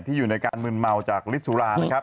อยู่ในการมึนเมาจากฤทธิสุรานะครับ